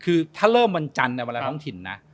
คือถ้าเริ่มวันจันทร์ในเวลาท้องถิ่นนะ